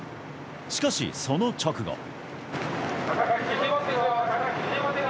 しかし、その直後。